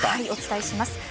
お伝えします。